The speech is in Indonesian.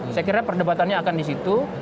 saya kira perdebatannya akan di situ